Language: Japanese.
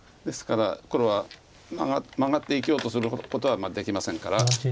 ですから黒はマガって生きようとすることはできませんから。